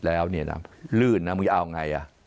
แล้วเนี่ยนะลื่นนะมึงเอาไง